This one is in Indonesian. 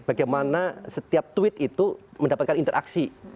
bagaimana setiap tweet itu mendapatkan interaksi